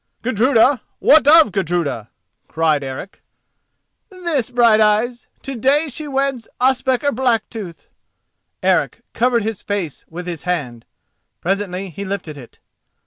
"Gudruda! what of Gudruda?" cried Eric. "This, Brighteyes: to day she weds Ospakar Blacktooth." Eric covered his face with his hand. Presently he lifted it.